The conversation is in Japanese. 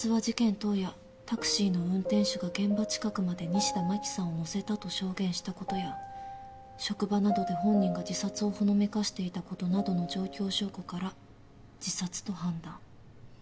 当夜タクシーの運転手が現場近くまで西田真紀さんを乗せたと証言したことや職場などで本人が自殺をほのめかしていたことなどの状況証拠から自殺と判断」。